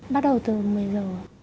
bắt đầu từ mười giờ ạ